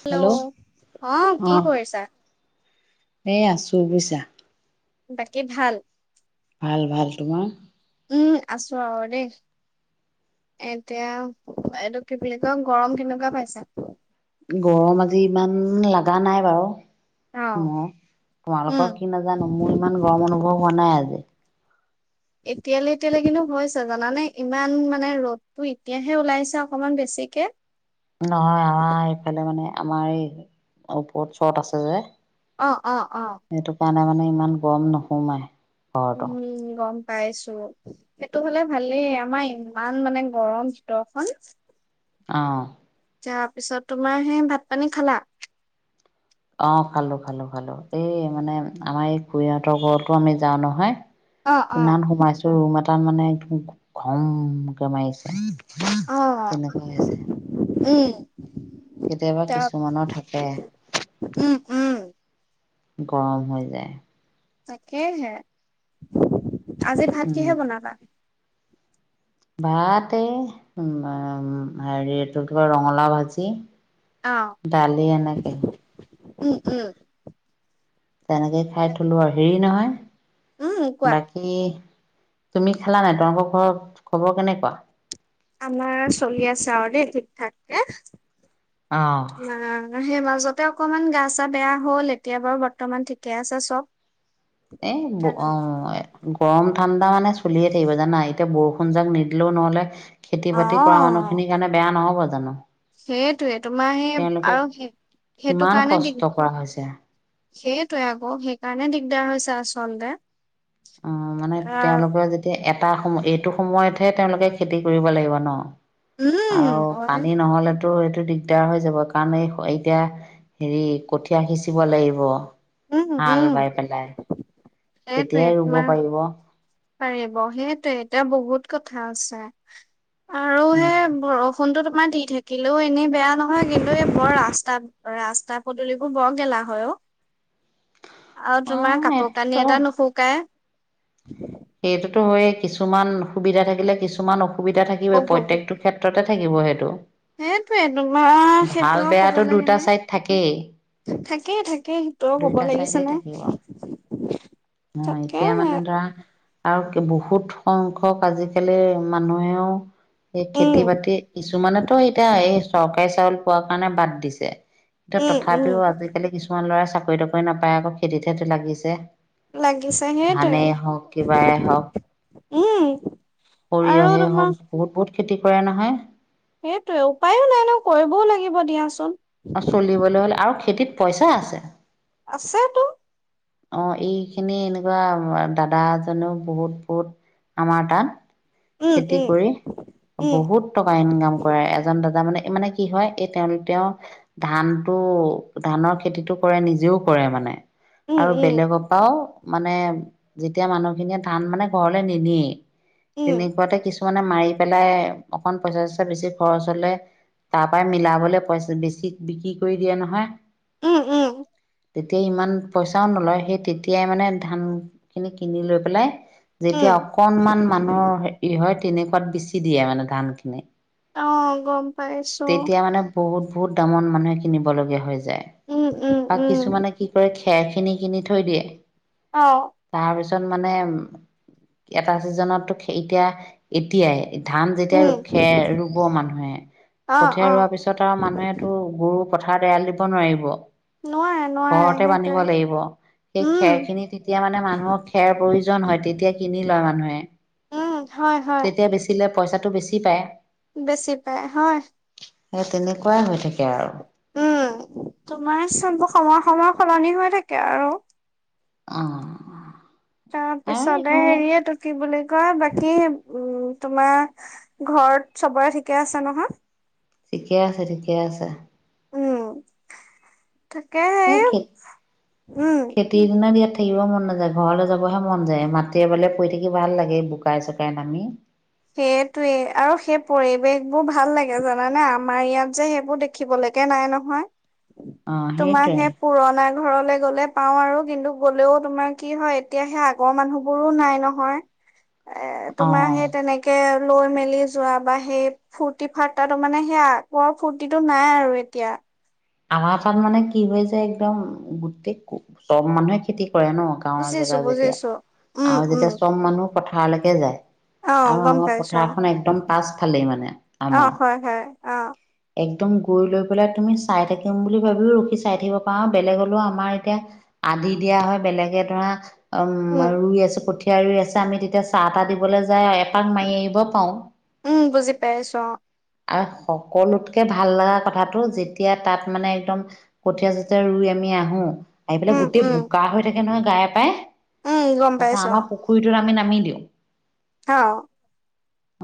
Hello অ কি কৰিছা? এ আছো বুইছা বাকী ভাল ভাল ভাল তোমাৰ উম আছোঁ আৰু দেই এতিয়া এইটো কি বুলি কয় গৰম কেনেকুৱা পাইছা গৰম আজি ইমান লগা নাই বাৰু অ মো উম তোমালোকৰ কি নাজানো মোৰ ইমান গৰম অনুভৱ হোৱা নাই আজি এতিয়ালে এতিয়ালে কিন্তু হৈছে জানানে ইমান মানে ৰ'দতো এতিয়াহে ওলাইছে অকনমান বেছি। গতিকে নহয় আমাৰ এইফালে মানে আমাৰ এই ওপত চত আছে যে। অ অ অ সেইটো কাৰণে মানে ইমান গৰম নোসোমাই ঘৰতো উম গম পাইছো সেইটো হলে ভালেই আমাৰ ইমান মানে গৰম ভিতৰখন- অ তাৰ পিছত তোমাৰ সেই ভাত পানী খালা। অ খালো খালো খালো এই মানে আমাৰ এই খুৰিহঁতৰ ঘৰতো আমি যাওঁ নহয়। অ অ ইমান সোমাইছো ৰুম এটা মানে একদম ঘমকে মাৰিছে। অ তেনেকুৱা হৈছে উম কেতিয়াবা তাৰ কিছুমানৰ থাকে। উম উম গৰম হৈ যায়। তাকেহে আজি ভাত কিহে বনালা? ভাত এ উ হেৰি এইটো কি কয় ৰঙালাও ভাজি অ', ডালি এনেকে উম উম তেনেকে খাইথলোঁ আৰু হেৰি নহয়। উম, কোৱা। বাকী তুমি খালা নাই তোমালোকৰ ঘৰৰ খবৰ কেনেকুৱা? আমাৰ চলি আছে আৰু দেই ঠিক থাককে অ'। মা সেই মাজত তে অকনমান গা চা বেয়া হল। এতিয়া বাৰু বৰ্তমান ঠিকে আছে চব। এ ব অ-গৰম ঠাণ্ডা মানে চলিয়ে থাকিব জানা এতিয়া বৰষুণ যাক নিদিলেও নহ'লে খেতি বাতি কৰা অ', মানুহখিনিৰ কাৰণে বেয়া নহব জানো! সেইটোৱে, তোমাৰ সেই তেওঁলোকে আৰু সেইটো কিমান কাৰণে কষ্ট দিগ কৰা হৈছে। সেইটোৱে আকৌ সেইকাৰণে দিগদাৰ হৈছে আচলতে। অ মানে অ', তেওঁলোকৰ যেতিয়া এট টা সময় এইটো সময়তহে তেওঁলোকে খেতি কৰিব লাগিব ন! উম, হয়। টো এইটো দিগদাৰ হৈ যাব কাৰণ এই এতিয়া হেৰি কঠীয়া সিঁচিব লাগিব। হাল বাই পেলাই। তেতিয়াই সেটোৱে ৰুব তোমাৰ পাৰিব অঁ পাৰিব। সেইটোৱে, এতিয়া বহুত কথা আছে। আৰু সেই বৰষুণটো এমাহ দি থাকিলেও এনেই বেয়া নহয়, কিন্তু এই বৰ ৰাস্তা ৰাস্তা পদুলিবোৰ বৰ গেলা হয় অ। আৰু তোমাৰ কাপোৰ কানি এইটোতো এটা নুশুকাই। সেইটোতো হয়ে। কিছুমান সুবিধা থাকিলে কিছুমান অসুবিধা থাকিবয়ে। প্ৰত্যেকটো ক্ষেত্ৰতে থাকিব সেইটো। সেইটোৱে তোমাৰ ভাল সেইটোও কব বেয়াটো লাগে দুটা নাই। চাইড থাকেই থাকেই থাকেই সেইটো আৰু ক'ব লাগিছে নে। আহ, তাকে এতিয়া মানে ধৰা আৰু বহুত সংখ্যক আজিকালি মানুহেও এই উম খেতি-বাতি কিছুমানেতো এতিয়া এই চৰকাৰী চাউল পোৱাৰ কাৰণে বাদ দিছে। কিন্তু উম উম তথাপিও আজিকালি কিছুমান ল'ৰাই চাকৰি-তাকৰি নাপায় আকৌ খেতিত হে টো লাগিছে। লাগিছে, সেইটোৱে। কিবায়ে হক উম। আৰু সৰিয়হে হওক। বহুত-বহুত খেতি কৰে নহয়। সেইটোয়ে উপায়ো নাই ন কৰিবও লাগিব দিয়াচোন। অ' চলিবলৈ হ'ল আৰু খেতিত পইচা আছে। আছে তো। অ' এই খিনি এনেকুৱা দাদা এজনেও বহুত-বহুত আমাৰ তাত উম খেতি উম কৰি বহুত টকা ইনকাম কৰে। এজন দাদা মানে মানে কি হয়, এই তেওঁ তেওঁ ধানতটো, ধানৰ খেতিটো কৰে। নিজেও কৰে মানে। উম আৰু উম বেলেগৰ পৰাও, মানে যেতিয়া মানুহখিনিয়ে ধান মানে ঘৰলে নিনিয়েই। উম তেনেকুৱাতে কিছুমানে মাৰি পেলাই অকন পইচা চইচা বেছি খৰচ হলে তাৰ পৰা মিলাবলৈ পইচা বেছি বিক্ৰী কৰি দিয়ে নহয়। উম, উম। তেতিয়া ইমান পইচাও নলয় সেই তেতিয়াই মানে ধানখিনি কিনি লৈ পেলাই যেতিয়া উম অকনমান মানুহৰ হ হয় তেনেকুৱাত বেছি দিয়ে মানে ধান খিনি। অ গম পাইছো। বহুত-বহুত দামত মানুহে কিনিবলগীয়া হৈ যায়। উম, উম, বা উম, কিছুমানে কি কৰে খে খেৰখিনি কিনি থৈ দিয়ে। অ'। তাৰপিছত মানে এটা চিজনতো এতিয়া, এতিয়াই ধান যেতিয়া উম, খেৰ ৰুব মানুহে, অ', কঠীয়া ৰোৱাৰ অ', পিছত আৰু মানুহে গৰু পথাৰত এৰাল দিব নোৱাৰিব। নোৱাৰে। নোৱাৰে ঘৰতে বান্ধিব সেইটোৱে। লাগিব। সেই উম, খেৰ খিনি তেতিয়া মানে মানুহক খেৰ প্ৰয়োজন হয়, তেতিয়া কিনি লয় মানুহে। উম, হয়, হয়। তেতিয়া বেচিলে পইচাটো বেছি পায়। বেছি পাই, হয়। সেই তেনেকুৱাই হৈ থাকে আৰু। উ, তোমাৰ চ সময় সময় সলনি হৈ থাকে আৰু। অহ। তাৰপিছতে হেৰিয়টো কি বুলি। কয় বাকী উ তোমাৰ ঘৰত চবৰে ঠিকে আছে নহয়। ঠিকে আছে ঠিকে আছে। উম, তাকে এ সেই খে উম। খেতিৰ দিনা ইয়াতে। থাকিব মন নাযায় ঘৰলৈ যাবহে মন যায় মাি এ বলে পৰি থাকি ভাল লাগে বোকাই চোকাই নামি। সেইটোৱে আৰু সেই পৰিৱেশ বোৰ ভাল লাগে জানানে আমাৰ ইয়াত যে সেইবোৰ দেখিব লাগে। কে নাই নহয় অ' তোমাৰ সেইটোৱে সেই পুৰণা ঘৰলে গলে পাও আৰু। কিন্তু গ'লেও তোমাৰ কি হয় এতিয়া সেই আগৰ মানুহবোৰো নাই নহয়। এ তোমাৰ অ' সেই তেনেকে। লৈ মেলি যোৱা বা সেই ফূৰ্তি ফাৰ্তা মানে সেই আগৰ ফূৰ্তিটো নাই আৰু এতিয়া। অ। আৱা তাত মানে কি হয় যে একদম গোটেই চব মানুহে খেতি। কৰে ন গাঁৱৰ জেগা বুজিছো যেতিয়া বুজিছো। উম আৰু যেতিয়া উম চব মানুহ পথাৰলৈকে যায়। অ আৰু গম আমাৰ পাইছো অ পথাৰখন একদম পাছফালেই মানে অ আমাৰ এক। হয় হয় অ একদম গৈ লৈ পেলাই তুমি। চাই থাকিম বুলি ভাবিও ৰখি চাই থাকিব পাৰো বেলেগ হলেও আমাৰ এতিয়া আদি দিয়া হয় বেলেগে ধৰা। উম ৰুই আছে কঠীয়া ৰুই আছে আমি তেতিয়া চাহ তাহ দিবলৈ যায় এপাক মাৰি আহিব পাৰো। উম বুজি পাইছো। আৰু সকলোতকে ভাল লগা কথাটো যি। তেতিয়া তাত মানে একদম কঠীয়া জঠিয়া ৰুই আমি আহো আহি পেলাই উম গোতেেই উম বোকা হৈ থাকে। নহয় গ পাই উম গম তাৰাছ পাইছো আমাৰ পুখুৰীটোত আমি নামি দিওঁ। অ।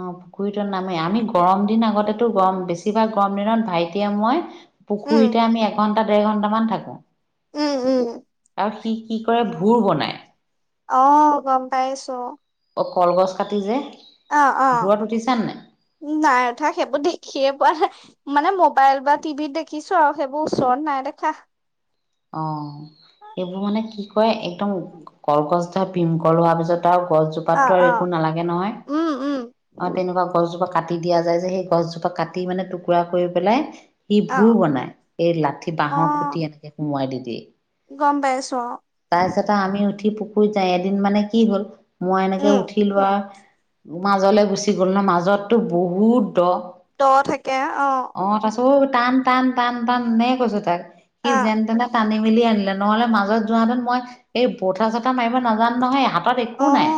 অ পুখুৰীত নামেই আমি গৰম দিন আগতেো গৰম বেছিভাগ গৰম দিনত ভাইটিয়ে মই। উম পুখুৰীতে আমি এঘণ্টা দেৰ ঘণ্টামান থাকো। উম উম। আৰু সি কি কৰে ভোৰ বনাই। অ গম পাই আছো। অ কলগছ কাটি যে। অ অ ভূৰত উঠিছানে নাই নাই উঠা সেইবোৰ দেখিয়ে পোৱা নাই মানে মই। মোবাইল বা টিভিত দেখিছো আৰু সেইবোৰ ওচৰত নাই দেখা। অ এইবোৰ মানে কি কয় একদম কলগছ ধৰা ভীমকল হোৱাৰ পিছত। আৰু অ গছজোপাতটো আৰু অ একো নালাগে নহয়। উম উম অ তেনেকুৱা গছজোপা কাটি দিয়া যায় যে সেই গছজোপা কাটি মানে টুকুৰা কৰি পেলাই সি অ ভোৰ বনাই এই লাঠি অ বাঁহৰ খুটি এনেকে সোমোৱাই দি দিয়ে। গম পাইছো। তাৰপিছতে আমি উঠি পুখুৰীত যাই এদিন মানে কি হ'ল মই এনেকে উম উঠি লোৱা মাজলে। গুচি গ'ল ন মাজততো বহুত দ দ থাকে অ তাৰছত টান। টান টান টাননে কৈছো তাক সি আ যেন তেনে টান। আানি মেলি আনিলে নহলে মাজত য হাতত মই এই পথাা চথা মাৰিব নাজান নহয়। তাত একো অ নাই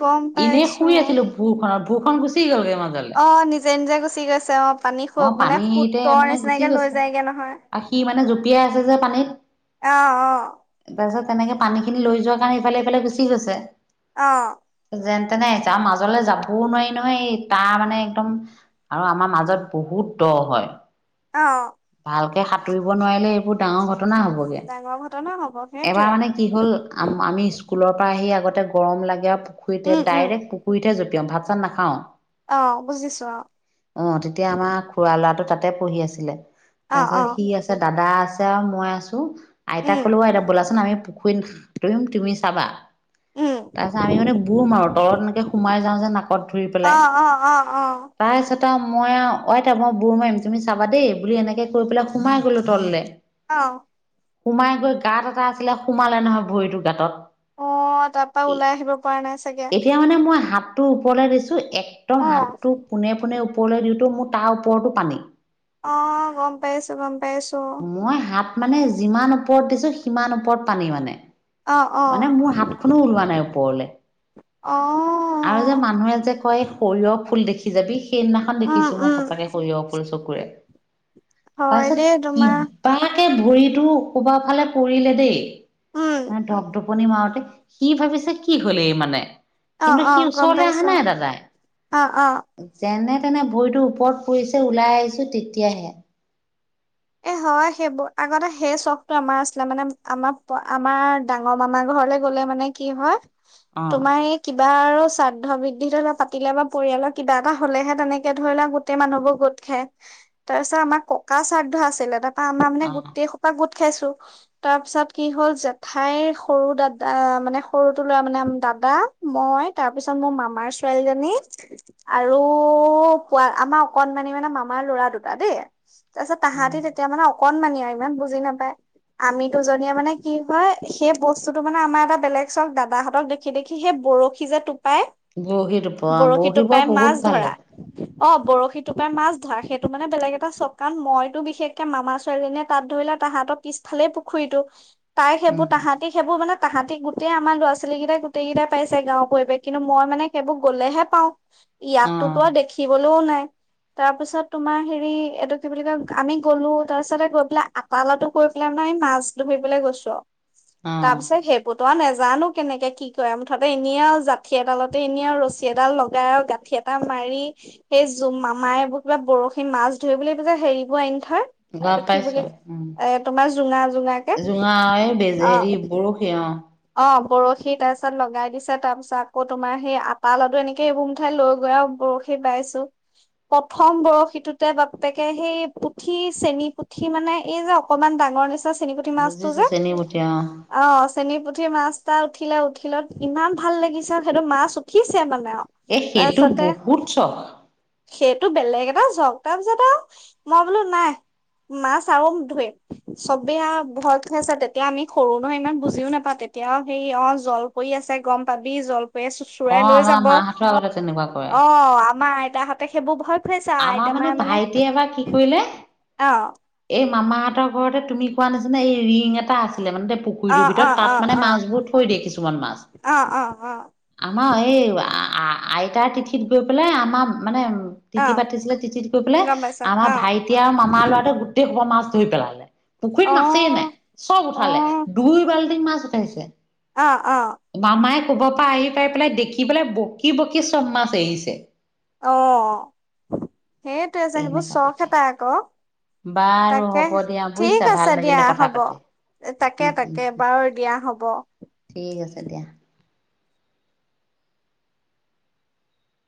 গম এনেই পাইছো শুই আছিলো ভূুৰ খত ভূ খন গুচি গ'লগৈ। মাজলে অ নিজে নিজে গুচি গৈছে অ পানী খু অ মানে পানী হেৰিতে ফুতৰ মানে গুচি নিচিনাকে লৈ গৈছে যায়গে নহয়। সি মানে জপিয়াই আছে যে পানীত আহ অ তাৰপিছত তেনেকে পানীখিনি লৈ যোৱাৰ কাৰণে ইফালে ইফালে গুচি গৈছে। অ। যেন তেনে যাম মাজলৈ যাম। কবও নোৱাৰি নহয়, তাৰ মানে একদম আৰু আমাৰ মাজত বহুত দ হয়। অ ভালকে সাঁতুৰিব নোৱাৰিলে এইবোৰ ডাঙৰ ঘ না হবগে, ডাঙৰ ঘটনা হব সেইটোৱে এবাৰ মানে কি হ'ল আম আমি স্কু লৰ পৰা আহি আগতে গৰম লাগে আৰু পুখুৰীতে উম উম ডাইৰেক্ট পুখুৰীতে জঁপিয়াম, ভাত চাত নাখাওঁ। অ, তেতিয়া আমাৰ খুৰা লৰাটো তাতে পঢ়ি আছিলে। অ অ তাৰপিছত সি আছে, দাদা আছে আৰু মই আছো, আইতাক উম কলো আইতা ব'লাচোন আমি পুখুৰীত সাতুৰিম তুমি চাবা উম তাৰপিছত আমি মানে বুৰ মাৰো তলত এনেকে সোমাই ত ধৰি পেলাই অ অ অ অ তাৰপিছত ত মই অ আইতা মই বুৰ মাৰিম তুমি চাবা দেই বুলি এনেকে কৰি পেলাই সোমাই গলো তললে। অ। সোমাই গৈ গাঁত এটা আছিলে, সোমালে নহয় ভৰিটোৰ গাঁতত অহ, তাৰ পৰা ওলাই আহিব পৰা নাই চাগে। এতিয়া মানে মই হাতটো ওপৰলৈ দিছো, একদম অ হাতটো পোনে পোনে ওপৰলৈ দিওঁতো মোৰ তাৰ ওপৰতো পানী। অ গম পাই আছো, গম পাইছো মই হাত মানে যিমান ওপৰত দিছো, সিমান ওপৰত পানী মানে। অ অ মানে মোৰ হাতখনো ওলোৱা নাই ওপৰলে। অ আৰু যে মানুহে যে কয় সৰিয়হ ফুল দেখি যাবি, সেইদিনাখন উম দেখিছো উম মই সঁচাকে সৰিয়হ ফুল চকুৰে। হয় দে কিবা কে ভৰিটো কবাৰ ফালে পৰিলে দেই, উম মই ধক ধক পনি মাৰতে, সি ভাবিছে কি হলে এই মানে। অ কিন্তু অ সি গম ওচৰলৈ অহা পাইছো নাই দাদাই, অ অ যেনে তেনে ভৰিটো ওপৰত পৰিছে ওলাই আহিছো তেতিয়াহে। এ হয় সেইবোৰ, আগতে সেই চখটো আমাৰ আছিলে মানে আমাৰ আমাৰ ডাঙৰ মামা গল ঘৰলে গলে মানে কি হয়, অ তোমাৰ সেই কিবা আৰু শ্ৰাদ্ধ বৃদ্ধি ধৰি লওঁ পাতিলে বা পৰিয়ালৰ কিবা এটা হলেহে তেনেকে ধৰি লও গোটেই মানুহবোৰ গোট খাই। তাৰপিছত আমাৰ ককা শ্ৰাদ্ধ আছিলে, তাৰ পৰা আমাৰ মানে অ গোটেই সোপা গোট খাইছো, তাৰ পিছত কি হ'ল জেঠাইৰ সৰু দাদা, মানে সৰুটো লৰা মানে দা দা, মই তাৰ পিছত মোৰ মামাৰ ছোৱালীজনী আৰু পোৱা আমাৰ অকনমানি মানে মামাৰ ল'ৰা দুটা দেই, তাৰপিছত উম তাহাঁতি তেতিয়া মানে অকণমানি আৰু ইমান বুজি নাপায়। আমি দুজনীয়ে মানে কি হয় সেই বস্তুটো মানে আমাৰ এটা বেলেগ চক দাদাহঁতক দেখি দেখি সেই বৰশী যে টোপাই? বৰশীত ওপৰ বৰশী বৰ টোপাই বহুত মাছ ভাল ধৰা। লাগে অ বৰশীটো টোপাই মাছ ধৰা, সেইটো মানে বেলেগ এটা চকান মই বিশেষকে মামা ছোৱালীজনীয়ে তাত ধৰিলে তাহাঁতৰ পিছফালেই পুখুৰীটো তাই সেইবোৰ, উম তাহাঁতি সেইবোৰ মানে তাহাঁতি গোটেই আমাৰ ল'ৰা -ছোৱালী কেইটাই গোটেই কেইটা পাইছে গাওৰ পৰিৱেশ কিন্তু মই মানে সেইবোৰ গ'লেহে পাওঁ। অ ইয়াতোতো আৰু দেখিবলৈও নাই, তাৰপিছত তোমাৰ হেৰি এইটো কি বুলি কয় আমি গলো, তাৰ পিছতে গৈ পেলাই আকালটো কৰি পেলাই মই মাছ ধৰিবলৈ গৈছো আৰু। অ তাৰ পিছত সেই পতোৱা নে জানো কেনেকে কি কৰে মুঠতে এনে আৰু জাঠি এডালতে এনে আৰু ৰছী এডাল লগাই আৰু গাঁঠি এটা মা ৰি সেই জ মামাইবোৰ কিবা বৰশী মাছ ধৰিব বুলি হেৰি লগ পাইছো উম, তোমাৰ জোঙা জোঙাকে জোঙা এই বেজে অ হেৰি বৰশী অ। অ। বৰশী তাৰ পিছত লগাই দিছে, তাৰ পিছত আকৌ তোমাৰ সেই আটা লডু এনেকে এইবোৰ মুঠাই লৈ গৈ আও বৰশী বাইছো প্ৰথম বৰশীটোতে বাপেকে সেই পুঠি চেনী পুঠি মানে এই যে অকমান ডাঙৰ নিচনা চেনি পুঠি মাছটো বুজিছো যে! চেনী বতিয়া অ চেনী পুঠি মাছ এটা উঠিলে উঠিলত ইমান ভাল লাগিছে সেইটো মাছ উঠিছে মানে এ সেইটো তাৰপিছতে বহুত চখ সেইটো বেলেগ এটা চক তাৰপিছত আও মই বোলো নাই মাছ আৰু ধৰিম। চবেই আও ভয় খাইছে, তেতিয়া আমি সৰু নহয় ইমান বুজিও নাপাওঁ তেতিয়া সেই অ জল পৰি আ ছে গম পাবি জলপৰীয়ে অ চোচৰাই লৈ আমাৰ যাব, মাহঁতৰ আগতে তেনেকুৱা কৰে অ আমাৰ আই তাহাতে সেইবোৰ ভয় খুৱাইছে আমাৰ মানে ভাইটিয়ে এবাৰ কি কৰিলে অহ এই মামাহঁতৰ ঘৰতে তুমি কোৱা নিচিনা এই ৰিং এটা আ ছিলে মানে দেই অ পুখুৰীটোৰ অ ভিতৰত অ তাত মানে অ মাছবোৰ থৈ দিয়ে কিছুমান মাছ অ অ অ আমাৰ এই আইতাৰ তিথিত গৈ পেলাই আমাৰ মানে অ তিথি পাতিছিলে তিথিত গৈ পেলাই গম পাইছা আমাৰ অ ভাইটি আৰু মামাৰ ল'ৰাটোৱে গোটেই সোপা মাছ ধৰি পেলালে অ পুখুৰীত মাছেই নাই চব অ উঠালে দুই বাল্টি মাছ উঠাইছে অ অ শোবৰ পৰা আহি পাই পেলাই দেখি পেলাই বকি বকি চব মাছ এৰিছে অ সেইটোৱে যে সেইবোৰ এনেকা চখ পাতে এটা আকৌ বাৰু তাকে হ'ব দিয়া বুজিছা ঠিক ভাল আছে দিয়া লাগিলে কথা হ'ব পাতি উম তাকে উম তাকে উম বাৰু দিয়া হব ঠিক আছে দিয়া